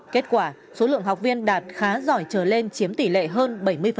kết quả số lượng học viên đạt khá giỏi trở lên chiếm tỷ lệ hơn bảy mươi